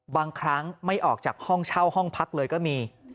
บางครั้งไม่ออกจากห้องเช่าห้องพักเลยก็มี